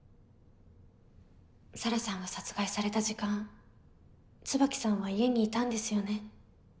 沙良さんが殺害された時間椿さんは家にいたんですよね？